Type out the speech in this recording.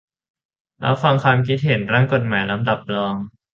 รับฟังความคิดเห็น ร่างกฎหมายลำดับรอง